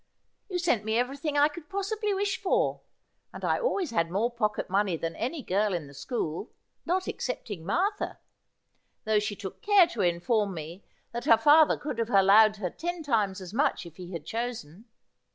You sent me everything I could possibly wish for ; and I always had more pocket money than any girl in the school, not excepting Martha ; though she took care to inform me that her father could have allowed her ten times as much if he had chosen.